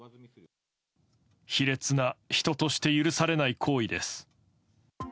卑劣な人として許されない行為です。